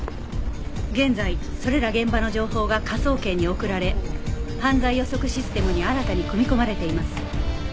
現在それら現場の情報が科捜研に送られ犯罪予測システムに新たに組み込まれています。